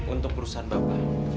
untuk perusahaan bapak